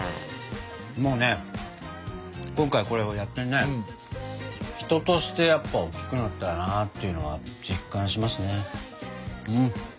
もうね今回これをやってね人としてやっぱり大きくなったよなっていうのは実感しますねうん。